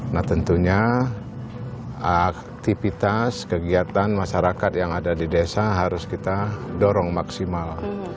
nah tentunya aktivitas kegiatan masyarakat yang ada di desa harus kita dorong maksimal